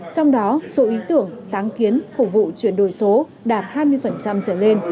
trong đó số ý tưởng sáng kiến phục vụ chuyển đổi số đạt hai mươi trở lên